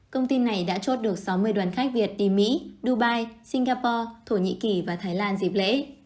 công ty này đã chốt được sáu mươi đoàn khách việt đi mỹ dubai singapore thổ nhĩ kỳ và thái lan dịp lễ